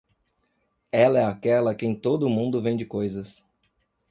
Ela é aquela a quem todo mundo vende coisas.